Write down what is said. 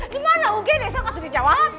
dimana ugd saya gak tahu di jawab